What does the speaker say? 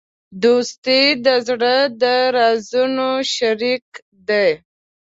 دوستي د زړه د رازونو شریک دی.